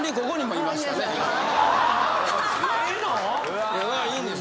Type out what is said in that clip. いいんです